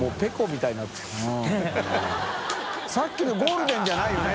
気辰ゴールデンじゃないよね？